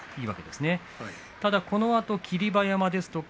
ただこのあと霧馬山ですとか